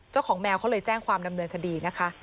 เจ้าของแมวเขาเลยแจ้งความดำเนินทดีนะคะ